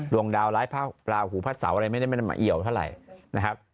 ดวงดาวร้ายพระราหูพระเสาอะไรไม่ได้มาเอี่ยวเท่าไหร่นะครับ